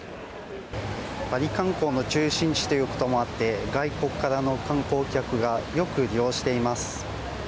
パリ観光の中心地ということもあって、外国からの観光客がよく利用しています。